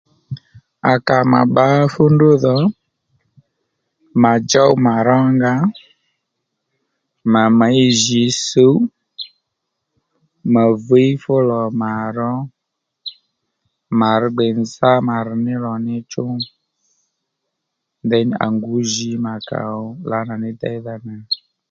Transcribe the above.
À kà mà bbǎ fú ndrú dho mà djów mà rónga mà měy jǐ sǔw mà vǐy fú lò mà ró mà rr gbè nzá mà rr ní lò ní chú ndèynì à ngǔ jǐ mà kà ò lǎnà ní déydha nà